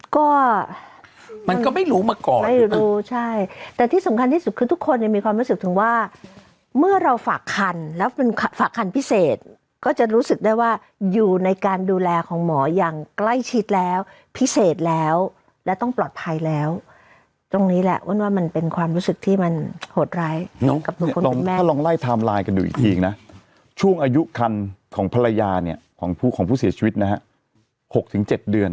ก็มันก็ไม่รู้มาก่อนไม่รู้ใช่แต่ที่สำคัญที่สุดคือทุกคนเนี่ยมีความรู้สึกถึงว่าเมื่อเราฝากคันแล้วเป็นฝากคันพิเศษก็จะรู้สึกได้ว่าอยู่ในการดูแลของหมออย่างใกล้ชิดแล้วพิเศษแล้วและต้องปลอดภัยแล้วตรงนี้แหละอ้วนว่ามันเป็นความรู้สึกที่มันโหดร้ายถ้าลองไล่ไทม์ไลน์กันดูอีกทีนะช่วงอายุคันของภรรยาเนี่ยของผู้ของผู้เสียชีวิตนะฮะ๖๗เดือน